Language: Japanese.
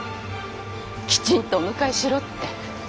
きちんとお迎えしろって。